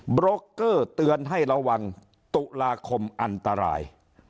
โรคเกอร์เตือนให้ระวังตุลาคมอันตราย